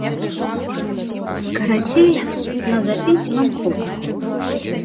Карацей, на запіць вам хопіць.